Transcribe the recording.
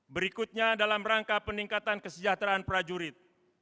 berikutnya dalam rangka peningkatan kesejahteraan prajurit